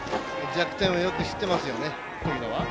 弱点をよく知っていますよね。